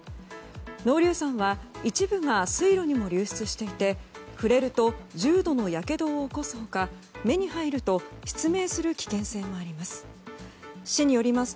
濃硫酸は一部が水路にも流出していて触れると重度のやけどを起こす他目に入ると失明する危険性もあります。